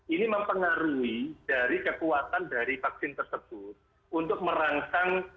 ini mempengaruhi dari kekuatan dari vaksin tersebut untuk merangsang